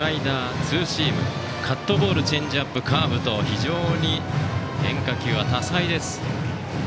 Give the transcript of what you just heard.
ストレート、スライダーツーシームカットボールチェンジアップ、カーブと非常に変化球は多彩です。